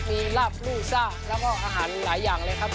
มีลาบลู่ซ่าแล้วก็อาหารหลายอย่างเลยครับ